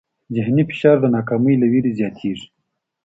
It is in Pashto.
ذهني فشار د ناکامۍ له وېرې زیاتېږي.